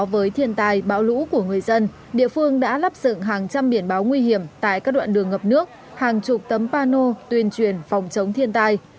với thiên tài bão lũ của người dân địa phương đã lắp dựng hàng trăm biển báo nguy hiểm tại các đoạn đường ngập nước hàng chục tấm pano tuyên truyền phòng chống thiên tai